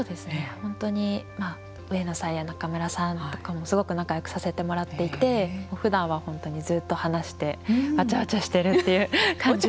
本当にまあ上野さんや仲邑さんとかもすごく仲よくさせてもらっていてふだんは本当にずっと話してわちゃわちゃしてるっていう感じで。